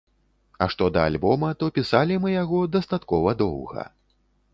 А што да альбома, то пісалі мы яго дастаткова доўга.